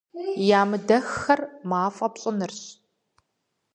Ямыдэххэр мафӀэ пщӀынырщ.